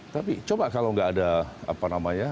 tapi coba kalau nggak ada apa namanya